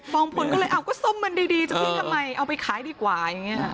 ทรปองพลก็เลยเอาก็ทร่งมันดีจะทิ้งทำไมเอาไปขายดีกว่า